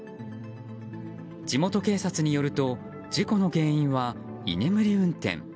地元警察によると事故の原因は居眠り運転。